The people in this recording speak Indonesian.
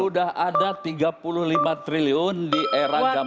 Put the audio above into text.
sudah ada tiga puluh lima triliun di era zaman pak sp